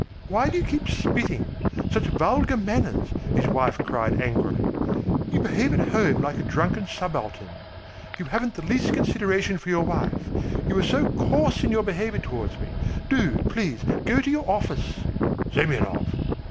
"Why do you keep spitting? Such vulgar manners!" his wife cried angrily. "You behave at home like a drunken subaltern. You haven't the least consideration for your wife. You are so coarse in your behaviour towards me! Do, please, go to your office." "Semyonov."